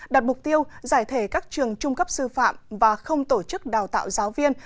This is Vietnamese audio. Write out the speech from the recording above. đặt mục tiêu giải thể các trường trung cấp sư phạm và không tổ chức đào tạo giáo viên